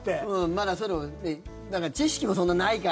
まだそういうの知識もそんなないから。